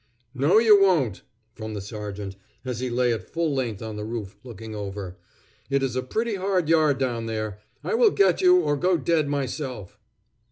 "No, you won't," from the sergeant, as he lay at full length on the roof, looking over. "It is a pretty hard yard down there. I will get you, or go dead myself."